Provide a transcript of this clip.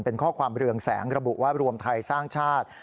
เป็นข้อความเรืองแสงระบุว่ารวมไทยสร้างชาติ